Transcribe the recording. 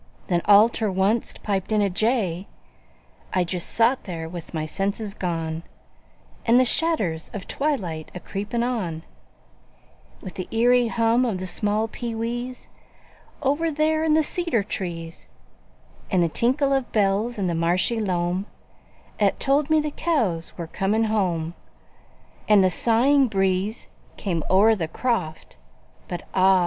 Then all ter onct piped in a jay. I just sot there with my senses gone, And the shadders of twilight a creepin' on, With the eerie hum of the small pee wees, Over there in the cedar trees, And the tinkle of bells in the marshy loam 'At told me the cows were coming home, And the sighing breeze came o'er the croft, But ah!